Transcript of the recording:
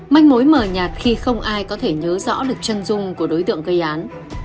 manh mối mở nhạt khi không ai có thể nhớ rõ lực chân dung của đối tượng gây án